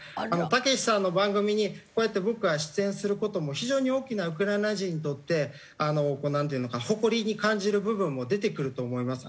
たけしさんの番組にこうやって僕が出演する事も非常に大きなウクライナ人にとってなんていうのか誇りに感じる部分も出てくると思います。